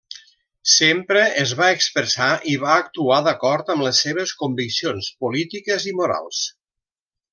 Sempre es va expressar i va actuar d'acord amb les seves conviccions polítiques i morals.